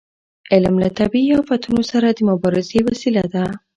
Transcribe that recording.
علم له طبیعي افتونو سره د مبارزې وسیله ده.